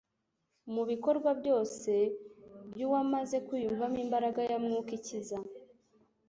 mu bikorwa byose by’uwamaze kwiyumvamo imbaraga ya Mwuka ikiza